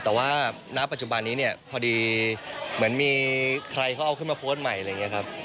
แต่ว่าณปัจจุบันนี้เนี่ยพอดีเหมือนมีใครเขาเอาขึ้นมาโพสต์ใหม่อะไรอย่างนี้ครับ